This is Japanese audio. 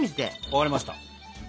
分かりました。